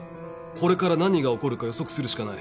これから何が起こるか予測するしかない。